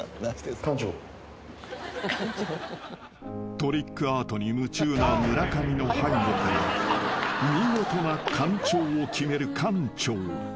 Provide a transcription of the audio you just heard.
［トリックアートに夢中な村上の背後から見事なカンチョーを決める館長］